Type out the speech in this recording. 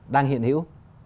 đang hiện hữu